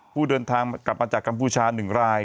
ผู้เดินทางกลับมาจากกัมพูชา๑ราย